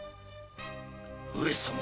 上様！